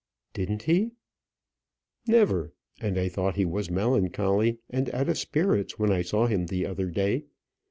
"Didn't he?" "Never; and I thought he was melancholy and out of spirits when I saw him the other day.